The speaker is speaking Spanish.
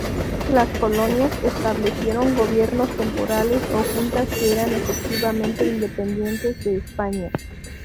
Las colonias establecieron gobiernos temporales o juntas que eran efectivamente independientes de España.